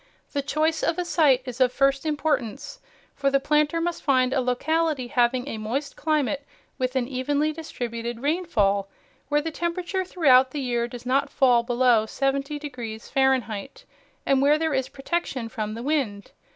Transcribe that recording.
The choice of a site is of first importance, for the planter must find a locality having a moist climate with an evenly distributed rain fall where the temperature throughout the year does not fall below seventy degrees Fahrenheit, and where there is protection from the wind.